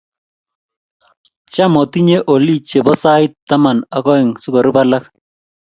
Cham atinye olii che bo siat taman ak oeng si kurub alak.